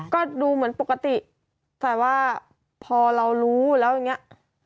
ก็ดูเหมือนปกติแต่ว่าพอเรารู้แล้วอย่างนี้